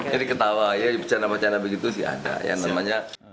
jadi ketawa ya bercanda bercanda begitu sih ada